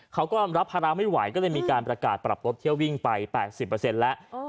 เขาก็รับภาระไม่ไหวก็เลยมีการประกาศปรับรถเที่ยววิ่งไป๘๐แล้ว